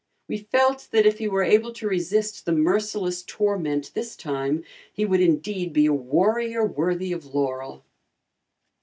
We felt that if he were able to resist the merciless torment this time, he would indeed be a warrior worthy of laurel.